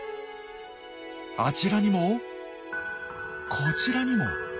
あちらにもこちらにも。